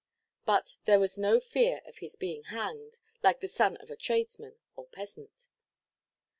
But there was no fear of his being hanged, like the son of a tradesman or peasant.